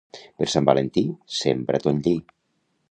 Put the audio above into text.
Per Sant Valentí, sembra ton lli.